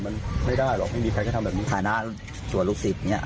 มันไม่ได้หรอกไม่มีใครก็ทำแบบนี้ฐานะส่วนลูกศิษย์อย่างนี้